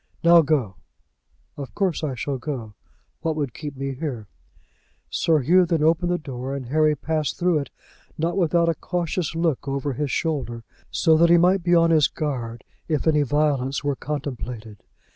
"Now go!" "Of course I shall go. What would keep me here?" Sir Hugh then opened the door, and Harry passed through it, not without a cautious look over his shoulder, so that he might be on his guard if any violence were contemplated.